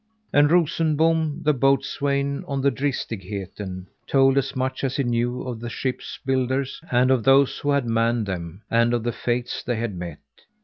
And Rosenbom, the boatswain on the Dristigheten, told as much as he knew of the ships' builders, and of those who had manned them; and of the fates they had met.